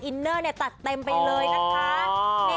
อินเนอร์เนี่ยตัดเต็มไปเลยนะคะ